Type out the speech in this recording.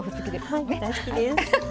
はい大好きです。